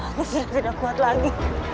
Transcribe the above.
aku sudah tidak kuat lagi